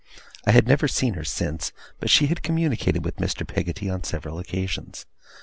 I had never seen her since, but she had communicated with Mr. Peggotty on several occasions.